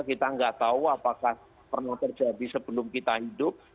kita nggak tahu apakah pernah terjadi sebelum kita hidup